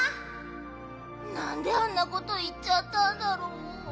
なんであんなこといっちゃったんだろう。